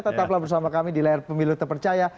tetaplah bersama kami di layar pemilu terpercaya